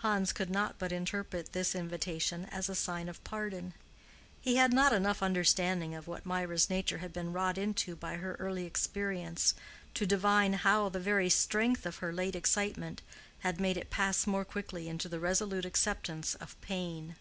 Hans could not but interpret this invitation as a sign of pardon. He had not enough understanding of what Mirah's nature had been wrought into by her early experience, to divine how the very strength of her late excitement had made it pass more quickly into the resolute acceptance of pain.